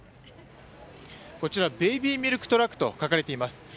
こちら「ベイビーミルクトラック」と書かれています。